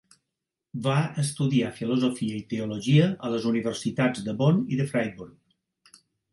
Va estudiar filosofia i teologia a les universitats de Bonn i de Friburg.